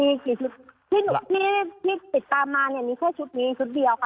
มีกี่ชุดที่ปิดตามมานี่คือชุดนี้ชุดเดียว